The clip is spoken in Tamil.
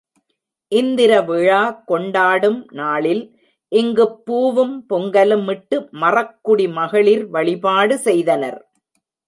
இந்திர விழா கொண்டாடும் நாளில் இங்குப் பூவும் பொங்கலும் இட்டு மறக்குடி மகளிர் வழிபாடு செய்தனர்.